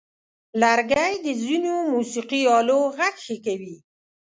لرګی د ځینو موسیقي آلو غږ ښه کوي.